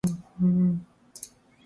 護照怎麼辦